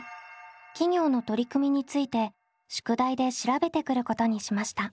企業の取り組みについて宿題で調べてくることにしました。